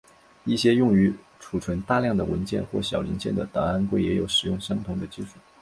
一些用于储存大量的文件或小零件的档案柜也有使用相同的技术。